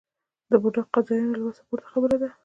د بوډا قاضیانو له وسه پورته خبره ده.